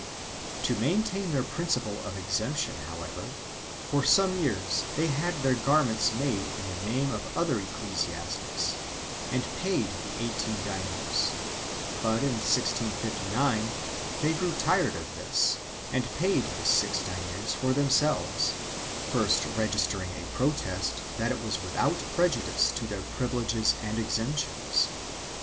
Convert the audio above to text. To maintain their principle of exemption, how ever, for some years they had their garments made in the name of other ecclesiastics and paid the eighteen deniers, but in 1659 they grew tired of this and paid the six deniers for themselves, first registering a protest that it was without prejudice to their privileges and exemptions.